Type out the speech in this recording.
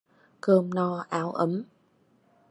Cơm no, áo ấm